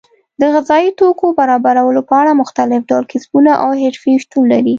د غذایي توکو برابرولو په اړه مختلف ډول کسبونه او حرفې شتون لري.